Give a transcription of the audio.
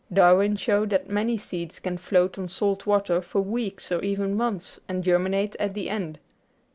Darwin showed that many seeds can float on salt water for weeks or even months and germinate at the end.